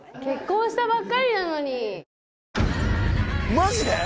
マジで！？